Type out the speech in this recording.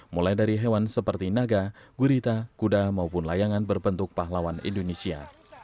mulai dari hewan seperti naga gurita kuda maupun layangan berbentuk pahlawan indonesia